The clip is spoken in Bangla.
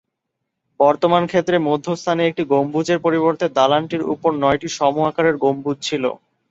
বর্তমান ক্ষেত্রে মধ্যস্থানে একটি গম্বুজের পরিবর্তে দালানটির উপর নয়টি সম-আকারের গম্বুজ ছিল।